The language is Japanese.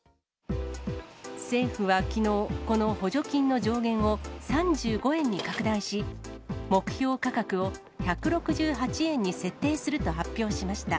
政府はきのう、この補助金の上限を３５円に拡大し、目標価格を１６８円に設定すると発表しました。